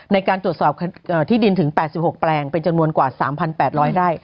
ในการตรวจสอบที่ดินถึง๘๖แปลงเป็นจำนวนกว่า๓๘๐๐ไร่